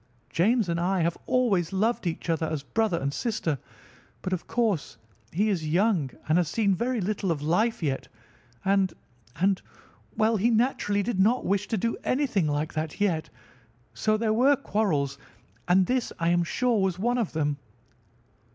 James and I have always loved each other as brother and sister; but of course he is young and has seen very little of life yet, and—and—well, he naturally did not wish to do anything like that yet. So there were quarrels, and this, I am sure, was one of them."